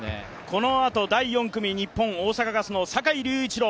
このあと、第４組、日本、大阪ガスの坂井隆一郎。